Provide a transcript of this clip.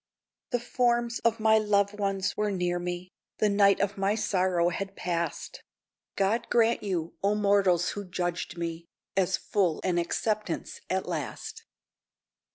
The forms of my loved ones were near me, The night of my sorrow had passed; God grant you, O mortals, who judged me, As full an acceptance at last!